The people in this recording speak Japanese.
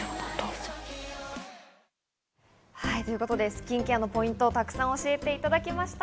スキンケアのポイントをたくさん教えていただきました。